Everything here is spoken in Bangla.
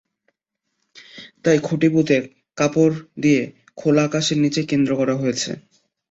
তাই খুঁটি পুঁতে কাপড় দিয়ে খোলা আকাশের নিচে কেন্দ্র করা হয়েছে।